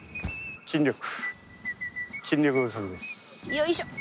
よいしょっ！